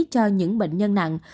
cho những bệnh nhân nặng